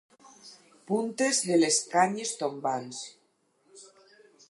Puntes de les canyes tombants.